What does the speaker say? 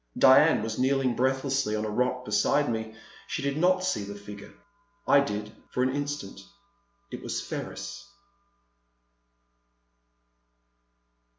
Diane was kneeling breathlessly on a rock beside me ; she did not see the figure. I did, for an instant. It was Ferris.